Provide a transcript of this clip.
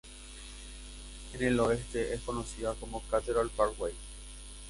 En el oeste, es conocida como Cathedral Parkway.